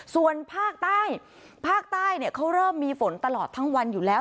ส่วนภาคใต้ภาคใต้เขาเริ่มมีฝนตลอดทั้งวันอยู่แล้ว